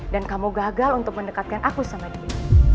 dan kamu gagal untuk mendekatkan aku sama dia